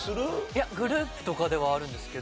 いやグループとかではあるんですけど